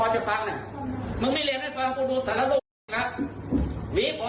ถ้าอยากเรียกต้องออกไปเถอะ